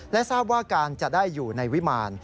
และทราบว่าการจะได้อยู่ในวิมาร